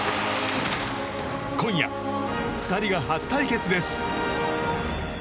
今夜、２人が初対決です。